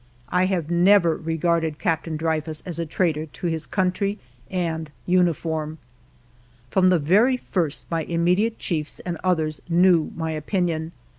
I have never regarded Captain Dreyfus as a traitor to his countrv and uniform. From the very first my immediate chiefs and others knew my opinion.